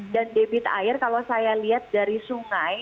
dan debit air kalau saya lihat dari sungai